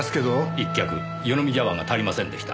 １脚湯のみ茶碗が足りませんでした。